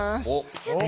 やった！